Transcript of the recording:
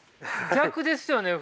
逆ですよね？